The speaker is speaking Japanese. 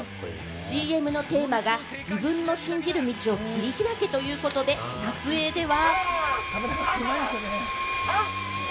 ＣＭのテーマが、自分の信じる道を切り拓けということで、撮影では。